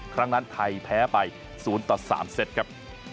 ครั้งนั้นไทยแพ้ไป๐๓เสร็จครับ